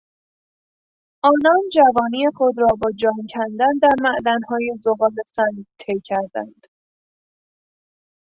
آنان جوانی خود را با جان کندن در معدنهای زغالسنگ طی کردند.